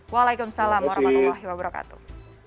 waalaikumsalam warahmatullahi wabarakatuh